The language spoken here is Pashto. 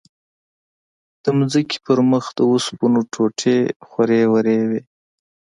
د ځمکې پر مخ د اوسپنو ټوټې خورې ورې وې.